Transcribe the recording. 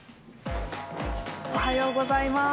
おはようございます。